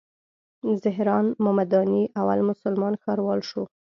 زهران ممداني اول مسلمان ښاروال شو.